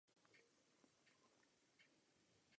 Některé z nich pravděpodobně slouží jako substrát pro oxidaci.